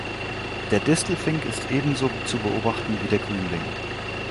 Der Distelfink ist ebenso zu beobachten wie der Grünling.